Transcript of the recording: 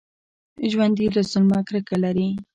ژوندي له ظلمه کرکه لري